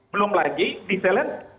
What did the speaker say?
belum lagi di thailand